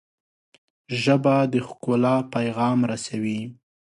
ژبه د ښکلا پیغام رسوي